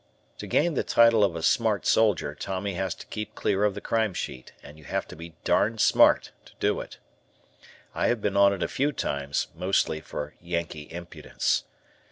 To gain the title of a "smart soldier," Tommy has to keep clear of the Crime Sheet, and you have to be darned smart to do it. I have been on it a few times, mostly for "Yankee impudence."